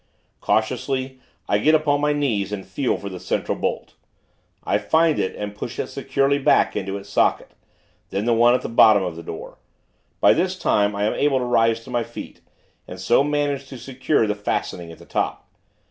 Cautiously, I get upon my knees, and feel for the central bolt. I find it, and push it securely back into its socket; then the one at the bottom of the door. By this time, I am able to rise to my feet, and so manage to secure the fastening at the top.